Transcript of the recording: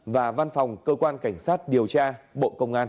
và văn phòng cơ quan cảnh sát điều tra bộ công an